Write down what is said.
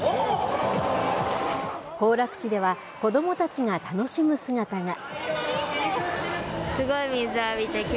行楽地では子どもたちが楽しむ姿が。